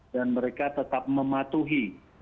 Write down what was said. dan mereka tetap mematuhi